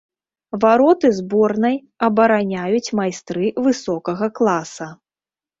Вароты зборнай абараняюць майстры высокага класа.